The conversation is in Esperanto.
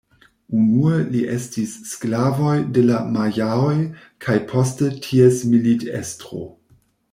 Unue li estis sklavoj de la majaoj kaj poste ties militestro.